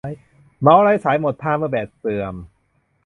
เมาส์ไร้สายหมดท่าเมื่อแบตเสื่อม